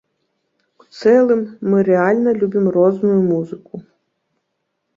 У цэлым, мы рэальна любім розную музыку.